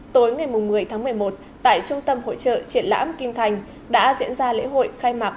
tối ngày một mươi tháng một mươi một tại trung tâm hội trợ triển lãm kim thành đã diễn ra lễ hội khai mạc